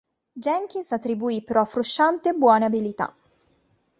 Jenkins attribuì però a Frusciante "buone abilità.